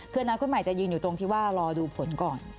คืออนาคตใหม่จะยืนอยู่ตรงที่ว่ารอดูผลก่อน